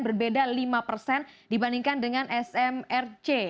berbeda lima persen dibandingkan dengan smrc